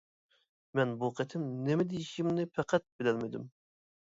مەن بۇ قېتىم نېمە دېيىشىمنى پەقەت بىلەلمىدىم.